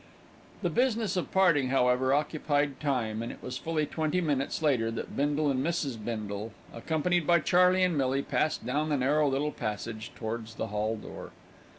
The business of parting, however, occupied time, and it was fully twenty minutes later that Bindle and Mrs. Bindle, accompanied by Charley and Millie, passed down the narrow little passage towards the hall door.